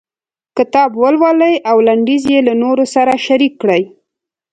کتاب ولولئ او لنډيز یې له نورو سره شريک کړئ.